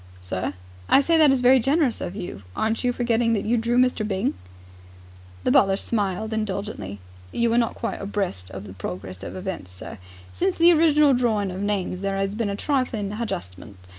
"Sir?" "I say that is very generous of you. Aren't you forgetting that you drew Mr. Byng?" The butler smiled indulgently. "You are not quite abreast of the progress of events, sir. Since the original drawing of names, there 'as been a trifling hadjustment.